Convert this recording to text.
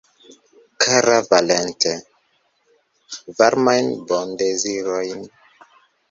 Kara Valentin, varmajn bondezirojn.